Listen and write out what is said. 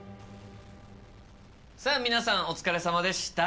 さあ皆さんお疲れさまでした。